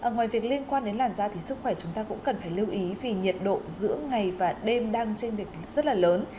ngoài việc liên quan đến làn da thì sức khỏe chúng ta cũng cần phải lưu ý vì nhiệt độ giữa ngày và đêm đang trên được rất là lớn